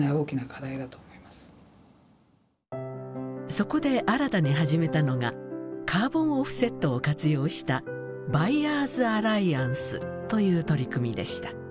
そこで新たに始めたのがカーボンオフセットを活用したバイヤーズアライアンスという取り組みでした。